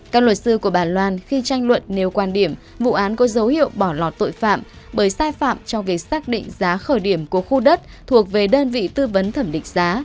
các luật sư của bà loan khi tranh luận nếu quan điểm vụ án có dấu hiệu bỏ lọt tội phạm bởi sai phạm trong việc xác định giá khởi điểm của khu đất thuộc về đơn vị tư vấn thẩm định giá